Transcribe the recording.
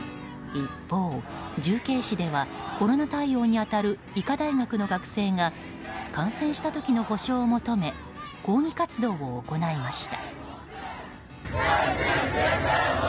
一方、重慶市ではコロナ対応に当たる医科大学の学生が感染した時の補償を求め抗議活動を行いました。